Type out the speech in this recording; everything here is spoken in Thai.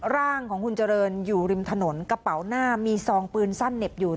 ร่างของคุณเจริญอยู่ริมถนนกระเป๋าหน้ามีซองปืนสั้นเหน็บอยู่